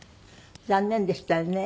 残念でしたよね。